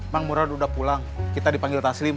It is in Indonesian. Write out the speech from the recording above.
bang murad udah pulang kita dipanggil taslim